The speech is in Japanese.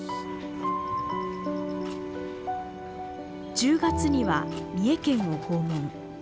１０月には三重県を訪問。